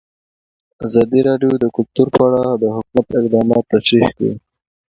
ازادي راډیو د کلتور په اړه د حکومت اقدامات تشریح کړي.